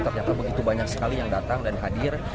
ternyata begitu banyak sekali yang datang dan hadir